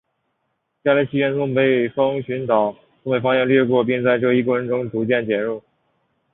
接下来气旋从背风群岛东北方向掠过并在这一过程中继续逐渐减弱。